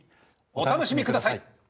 お楽しみください。